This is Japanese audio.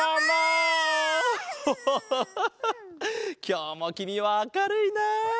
きょうもきみはあかるいな。